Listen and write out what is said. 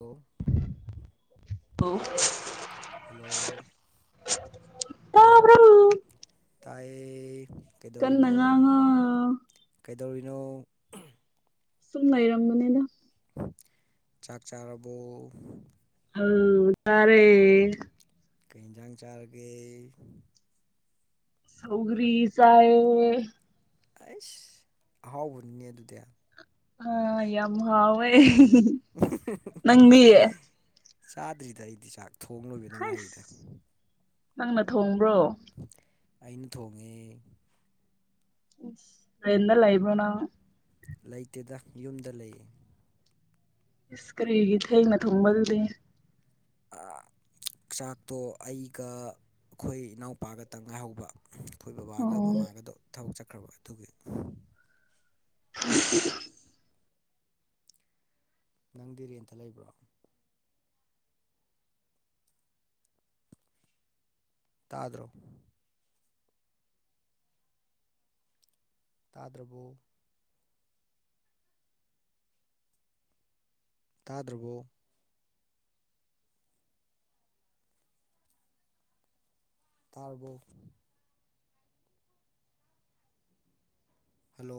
ꯑꯗꯣ [inaudible] ꯍ [inaudible] ꯍꯜꯂꯣ ꯇꯕ꯭ꯔꯣ ꯇꯥꯏ ꯀꯟꯅꯥ ꯉꯥꯡꯉꯣ ꯀꯩꯗꯧꯔꯤꯅꯣ ꯁꯨꯝ ꯂꯩꯔꯝꯕꯅꯦꯗꯥ ꯆꯥꯛ ꯆꯥꯔꯕꯣ ꯎꯝ ꯆꯥꯔꯦ ꯀꯩ ꯌꯦꯟꯖꯥꯡ ꯆꯥꯔꯒꯦ ꯁꯧꯒꯔꯤ ꯆꯥꯏ ꯑꯩꯁ ꯑꯍꯥꯎꯕꯅꯤꯅꯦ ꯑꯗꯨꯗꯤ ꯑꯥ ꯌꯥꯝ ꯍꯥꯥꯎꯏ ꯅꯥꯪꯗꯤ ꯆꯥꯗ꯭ꯔꯤꯗ ꯑꯩꯗꯤ ꯆꯥꯛ ꯊꯣꯡ ꯂꯣꯏꯕꯗ ꯉꯥꯏꯔꯤꯗ ꯍꯩꯁ ꯅꯪꯅ ꯊꯣꯡꯕ꯭ꯔꯣ ꯑꯩꯅ ꯊꯣꯡꯉꯦ ꯔꯦꯟꯠ ꯇꯥ ꯂꯥꯏꯕ꯭ꯔꯣ ꯅꯪ ꯂꯩꯇꯦꯗ ꯌꯨꯝꯗ ꯂꯩꯌꯦ ꯏꯁ ꯁꯀ꯭ꯔꯒꯤ ꯊꯦꯡꯅ ꯊꯣꯡꯕꯗꯨꯗꯤ ꯑ [unintelligible] [inaudible] ꯆꯥꯛꯇꯣ ꯑꯩꯒ ꯑꯩꯈꯣꯏ ꯏꯅꯥꯎꯄꯥꯒꯇꯪ ꯉꯥꯏꯍꯧꯕ ꯑꯩꯈꯣꯏ ꯕꯕꯥꯒ ꯑꯣ ꯃꯃꯥꯒꯗꯣ ꯊꯕꯛ ꯆꯠꯈ꯭ꯔꯕ ꯑꯗꯨꯒꯤ ꯎꯝ [unintelligible] [inaudible] ꯅꯪ ꯗꯤ ꯔꯦꯟꯇ ꯂꯩꯕ꯭ꯔꯣ ꯇꯥꯗ꯭ꯔꯣ ꯇꯥꯗ꯭ꯔꯕꯣ ꯇꯥꯗ꯭ꯔꯕꯣ ꯇꯥꯔꯕꯣ ꯍꯂꯣ